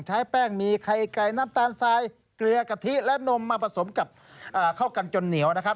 ใช้แป้งมีไข่ไก่น้ำตาลทรายเกลือกะทิและนมมาผสมกับเข้ากันจนเหนียวนะครับ